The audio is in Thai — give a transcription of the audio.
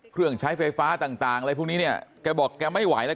เครื่องใช้ไฟฟ้าต่างต่างอะไรพวกนี้เนี่ยแกบอกแกไม่ไหวแล้ว